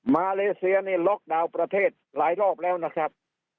มาเลเซียนี่ล็อกดาวน์ประเทศหลายรอบแล้วนะครับ